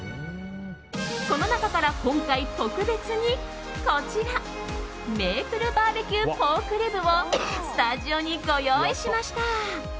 その中から今回特別に、こちらメイプルバーベキューポークリブをスタジオにご用意しました。